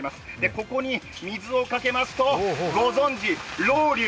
ここに水をかけますと、ご存じロウリュ。